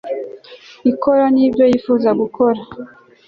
ikora n ibyo yifuza gukora